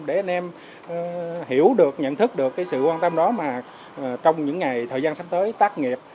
để anh em hiểu được nhận thức được cái sự quan tâm đó mà trong những ngày thời gian sắp tới tác nghiệp